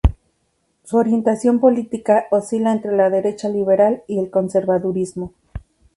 Su orientación política oscila entre la derecha liberal y el conservadurismo.